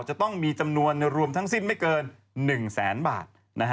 จะต้องมีจำนวนรวมทั้งสิ้นไม่เกิน๑แสนบาท